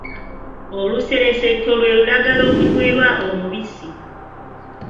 Olusereseeto lwe lulagala okunywerwa omubisi.